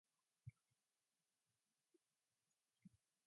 He is buried at Druid Ridge Cemetery in Pikesville.